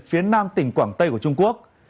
phía nam tỉnh quảng tây của trung quốc